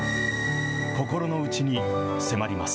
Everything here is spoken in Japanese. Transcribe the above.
心のうちに迫ります。